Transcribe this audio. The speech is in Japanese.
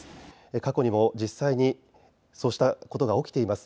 過去にも実際にそうしたことが起きています。